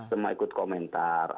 semua ikut komentar